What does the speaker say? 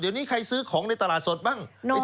เดี๋ยวนี้ใครซื้อของในตลาดสดบ้าง